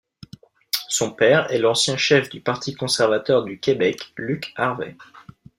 Son père est l'ancien chef du Parti conservateur du Québec Luc Harvey.